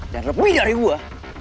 dan lebih dari gue